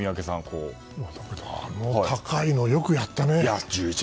あの高いのをよくやったね。